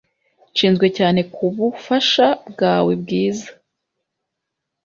Nshinzwe cyane kubufasha bwawe bwiza.